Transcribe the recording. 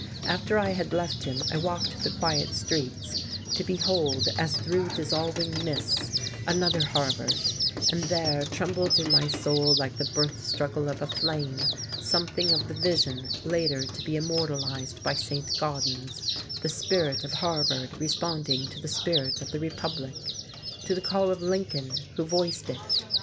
After I had left him I walked the quiet streets to behold as through dissolving mists another Harvard, and there trembled in my soul like the birth struggle of a flame something of the vision later to be immortalized by St. Gaudens, the spirit of Harvard responding to the spirit of the Republic to the call of Lincoln, who voiced it.